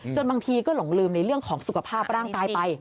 บางทีก็หลงลืมในเรื่องของสุขภาพร่างกายไป